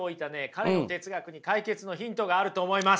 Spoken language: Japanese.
彼の哲学に解決のヒントがあると思います。